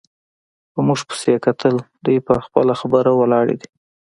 په موږ پسې یې کتل، دوی پر خپله خبره ولاړې دي.